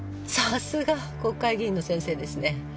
さすが国会議員の先生ですね。